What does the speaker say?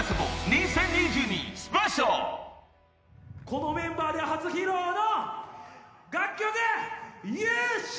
このメンバーで初披露の楽曲『優勝』